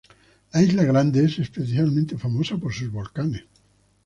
La Isla Grande es especialmente famosa por sus volcanes.